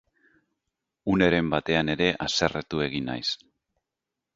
Uneren batean ere hasarretu egin naiz.